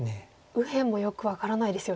右辺もよく分からないですよね。